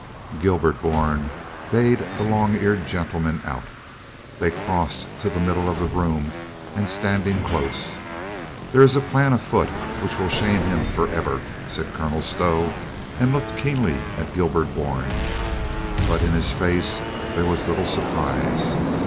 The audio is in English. Gilbert Bourne bade that long eared gentleman out. They crossed to the mid dle of the room, and, standing close, "There is a plan afoot which will shame him for ever," said Colonel Stow and looked keenly at Gilbert Bourne. But in his face there was little surprise.